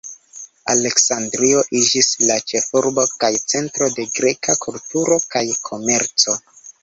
Aleksandrio iĝis la ĉefurbo kaj centro de greka kulturo kaj komerco.